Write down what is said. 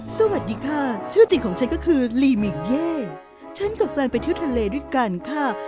สวัสดีค่ะชื่อจริงของฉันก็คือลีมิงเย่ฉันกับแฟนไปเที่ยวทะเลด้วยกันค่ะ